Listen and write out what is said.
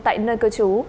tại nơi cơ chú